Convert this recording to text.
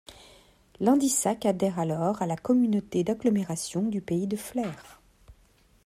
Landisacq adhère alors à la communauté d'agglomération du pays de Flers.